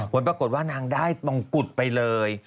ผลปรากฏว่านางได้มงกุฎไปเลย